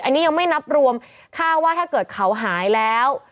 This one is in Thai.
อันนี้ยังไม่นับรวมค่าว่าถ้าเกิดเขาหายแล้ว